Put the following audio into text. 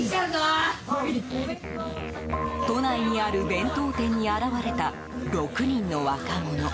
都内にある弁当店に現れた６人の若者。